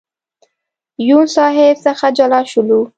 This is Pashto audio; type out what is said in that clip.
یون صاحب څخه جلا شولو.